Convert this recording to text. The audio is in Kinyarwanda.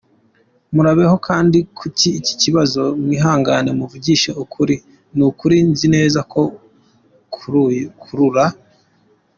Murabeho kandi kuri iki kibazo mwihangane muvugishe ukuri n’ukuri nzi neza ko kurura.